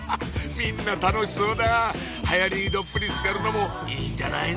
みんな楽しそうだはやりにどっぷりつかるのもいいんじゃないの？